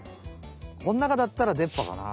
こん中だったらでっ歯かな。